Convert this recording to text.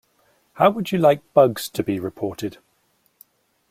How would you like bugs to be reported?